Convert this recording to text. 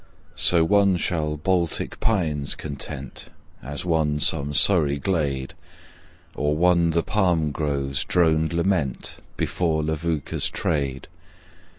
So one shall Baltic pines content, As one some Surrey glade, Or one the palm grove's droned lament Before Levuka's Trade.